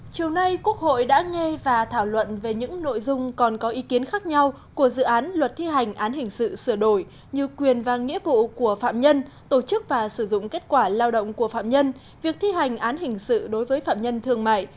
chiều nay quốc hội đã nghe và thảo luận về những nội dung còn có ý kiến khác nhau của dự án luật thi hành án hình sự sửa đổi như quyền và nghĩa vụ của phạm nhân tổ chức và sử dụng kết quả lao động của phạm nhân việc thi hành án hình sự đối với phạm nhân thương mại